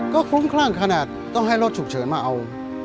ก็คลุ้มคลั่งขนาดต้องให้รถฉุกเฉินมาเอา